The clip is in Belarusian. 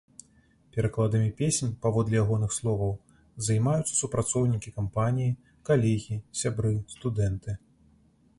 Перакладамі песень, паводле ягоных словаў, займаюцца супрацоўнікі кампаніі, калегі, сябры, студэнты.